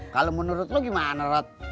kalau menurut lo gimana rod